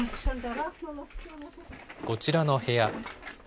こちらの部屋。